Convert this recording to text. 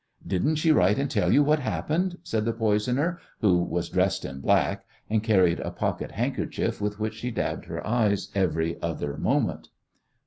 "Didn't she write and tell you what happened?" said the poisoner, who was dressed in black, and carried a pocket handkerchief with which she dabbed her eyes every other moment.